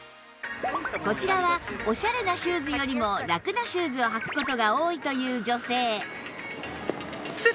こちらはオシャレなシューズよりもラクなシューズを履く事が多いという女性